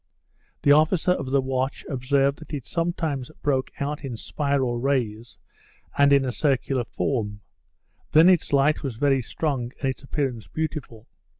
The officer of the watch observed that it sometimes broke out in spiral rays, and in a circular form; then its light was very strong, and its appearance beautiful.